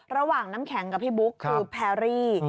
น้ำแข็งกับพี่บุ๊กคือแพรรี่